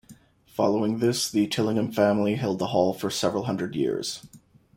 Following this the Tillingham family held the hall for several hundred years.